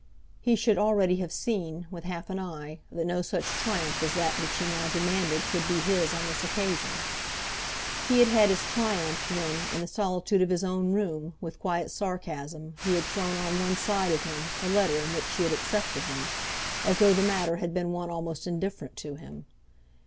He should already have seen, with half an eye, that no such triumph as that which he now demanded could be his on this occasion. He had had his triumph when, in the solitude of his own room, with quiet sarcasm he had thrown on one side of him the letter in which she had accepted him, as though the matter had been one almost indifferent to him.